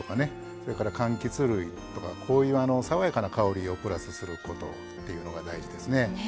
それからかんきつ類とかこういう爽やかな香りをプラスすることっていうのが大事ですね。